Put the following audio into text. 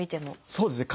そうですね。